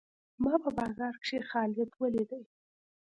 ما په بازار کښي خالد وليدئ.